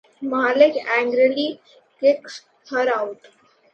Malik angrily kicks her out.